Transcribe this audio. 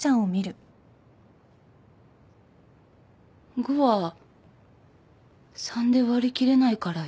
５は３で割り切れないからよ。